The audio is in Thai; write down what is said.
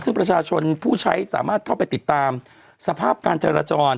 ซึ่งประชาชนผู้ใช้สามารถเข้าไปติดตามสภาพการจราจร